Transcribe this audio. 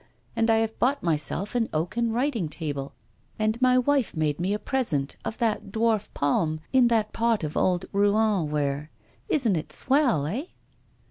And I have bought myself an oaken writing table, and my wife made me a present of that dwarf palm in that pot of old Rouen ware. Isn't it swell, eh?